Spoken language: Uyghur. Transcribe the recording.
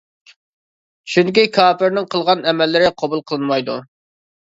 چۈنكى كاپىرنىڭ قىلغان ئەمەللىرى قوبۇل قىلىنمايدۇ.